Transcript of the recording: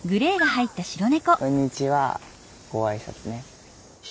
こんにちはご挨拶ね。